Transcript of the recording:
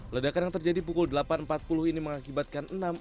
ledakan yang terjadi pukul delapan empat puluh ini mengakibatkan enam orang luka luka